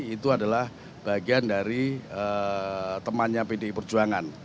itu adalah bagian dari temannya pdi perjuangan